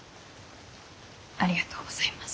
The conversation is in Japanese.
ありがとうございます。